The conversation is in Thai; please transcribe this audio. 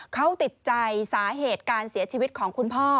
เขาติดใจสาเหตุการเสียชีวิตของคุณพ่อ